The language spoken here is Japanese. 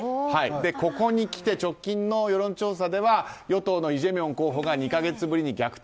ここにきて、直近の世論調査では与党のイ・ジェミョン候補が２か月ぶりに逆転